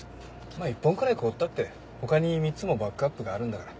まあ１本くらい凍ったってほかに３つもバックアップがあるんだから。